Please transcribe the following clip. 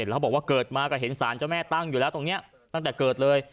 แล้วบอกว่าเกิดมาก็เห็นสารเจ้าแม่ตั้งอยู่แล้วตรงนี้ตั้งแต่เกิดเลย